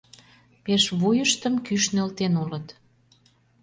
Пеш вуйыштым кӱш нӧлтен улыт.